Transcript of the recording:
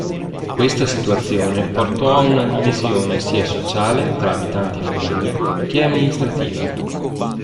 Questa situazione portò ad una divisione sia sociale, tra abitanti e famiglie, che amministrativa.